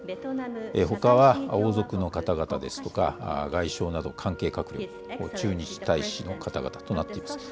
ほかは王族の方々ですとか、外相など、関係閣僚、駐日大使の方々となっています。